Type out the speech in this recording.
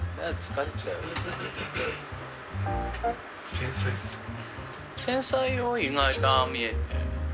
繊細っすよね。